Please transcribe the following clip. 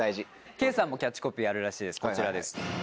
圭さんもキャッチコピーあるらしいですこちらです。